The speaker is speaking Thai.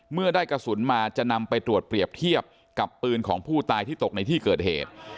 เมื่อได้กระสุนมาจะนำไปตรวจเปรียบเทียบกับปืนของผู้ตายที่ตกในที่เกิดเหตุ